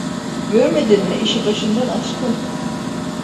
Görmedin mi, işi başından aşkın.